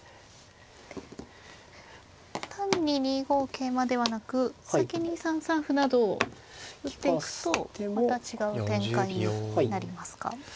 単に２五桂馬ではなく先に３三歩などを打っていくとまた違う展開になりますか。